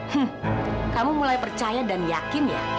hmm kamu mulai percaya dan yakin ya